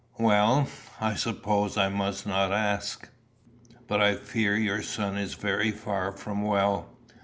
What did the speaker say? "Well, I suppose I must not ask. But I fear your son is very far from well.